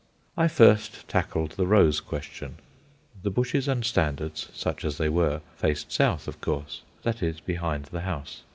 I first tackled the rose question. The bushes and standards, such as they were, faced south, of course that is, behind the house.